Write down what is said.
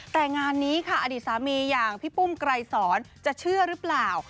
แต่งานนี้ค่ะอดีตสามีอย่างพี่ปุ้มไกรสอนจะเชื่อหรือเปล่า